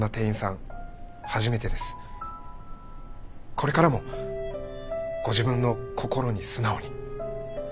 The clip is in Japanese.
これからもご自分の心に素直に。